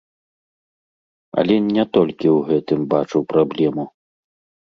Але не толькі ў гэтым бачу праблему.